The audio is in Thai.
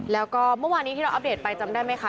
แล้วก็เมื่อวานี้ที่เราอัปเดตไปจำได้ไหมคะ